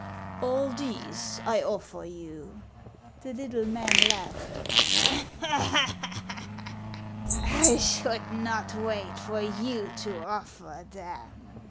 " All these I offer you." The little man laughed. " I should not wait for you to offer them."